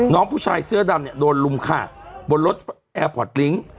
น้องผู้ชายเสื้อดำเนี่ยโดนลุมขาดบนรถแอร์พอร์ตลิ้ง